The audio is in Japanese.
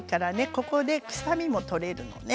ここで臭みも取れるのね。